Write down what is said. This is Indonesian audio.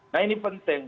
nah ini penting